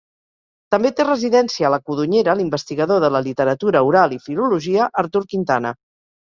També té residència a la Codonyera l'investigador de la literatura oral i filologia Artur Quintana.